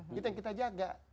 itu yang kita jaga